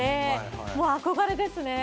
もう憧れですね！